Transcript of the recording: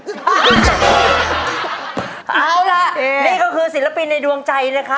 เอาล่ะนี่ก็คือศิลปินในดวงใจนะคะ